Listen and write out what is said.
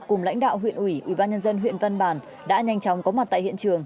cùng lãnh đạo huyện ủy ubnd huyện văn bản đã nhanh chóng có mặt tại hiện trường